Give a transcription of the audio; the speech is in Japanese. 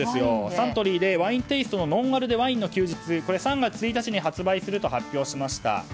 サントリーでワインテイストでノンアルでワインの休日３月１日に発売すると発表しました。